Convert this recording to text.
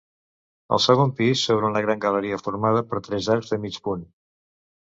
Al segon pis s'obre una gran galeria formada per tres arcs de mig punt.